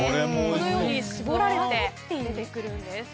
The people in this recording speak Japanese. このように絞られて出てくるんです。